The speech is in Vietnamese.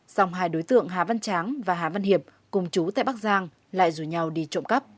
song hai đối tượng hà văn tráng và hà văn hiệp cùng chú tại bắc giang lại rủ nhau đi trộm cắp